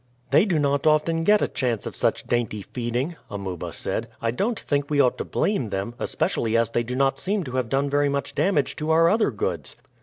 "They do not often get a chance of such dainty feeding," Amuba said. "I don't think we ought to blame them, especially as they do not seem to have done very much damage to our other goods."